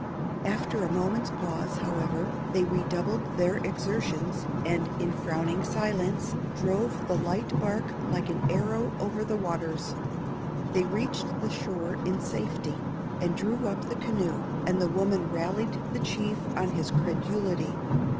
After a moment's pause, however, they redoubled their exertions, and, in frowning silence, drove the light bark like an arrow over the waters. They reached the shore in safety, and drew up the canoe, and the woman rallied the chief on his credulity.